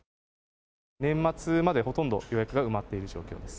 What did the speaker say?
年末まで、ほとんど予約が埋まっている状況です。